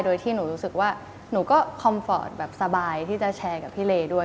โดยที่หนูรู้สึกว่าหนูก็คอมฟอร์ตแบบสบายที่จะแชร์กับพี่เลด้วย